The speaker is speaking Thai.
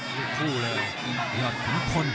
ทุกคู่เลยยอดผิงพล